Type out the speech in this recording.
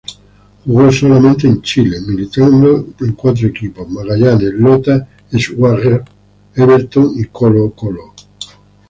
Jugó solamente en Chile, militando en cuatro equipos: Magallanes, Lota Schwager, Everton y Colo-Colo.